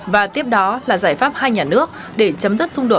và tiếp đó là giải pháp hai nhà nước để chấm dứt